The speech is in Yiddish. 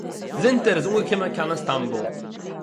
זינט ער איז אָנגעקומען קיין איסטאַנבול